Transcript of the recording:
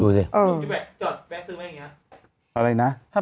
ยุบัยจอดแว่ซื้อไหมอย่างเนี่ย